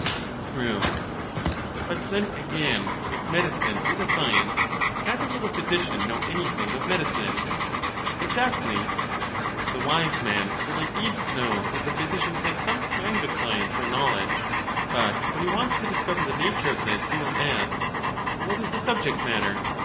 True. But then again, if medicine is a science, neither will the physician know anything of medicine. Exactly. The wise man will indeed know that the physician has some kind of science or knowledge; but when he wants to discover the nature of this he will ask. What is the subject matter?